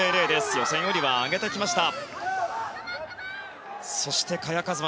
予選より上げてきました。